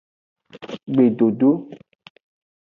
Gbedodo.